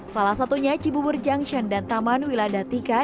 salah satunya cibubur junction dan taman wiladatika